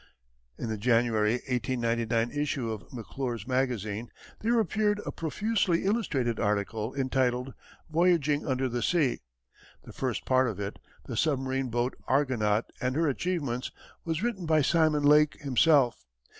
In the January, 1899, issue of McClure's Magazine there appeared a profusely illustrated article entitled "Voyaging under the Sea." The first part of it, "The Submarine Boat Argonaut and her Achievements," was written by Simon Lake himself.